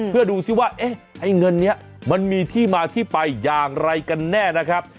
เพื่อดูสิว่าไอ้เงินนี้มันมีที่มาที่ไปอย่างไรกันแน่นะครับ